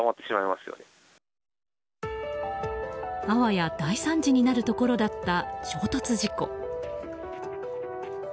あわや大惨事になるところだった衝突事故。